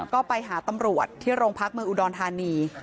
ก็ไปหาตำรวจที่โรงพักเมืองอุดรธานี